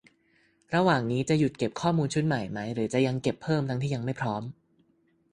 - ระหว่างนี้ จะหยุดเก็บข้อมูลชุดใหม่ไหม หรือจะยังเก็บเพิ่มทั้งที่ยังไม่พร้อม